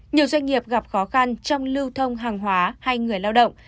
nhiều doanh nghiệp gặp khó khăn trong lưu thông hàng hóa hay người lao động